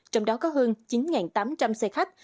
trong đó có hơn chín tám trăm linh xe khách